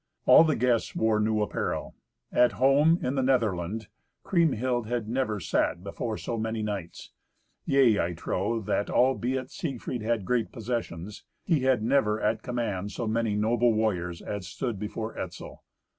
All the guests wore new apparel. At home, in the Netherland, Kriemhild had never sat before so many knights; yea, I trow, that albeit Siegfried had great possessions, he had never at command so many noble warriors as stood before Etzel.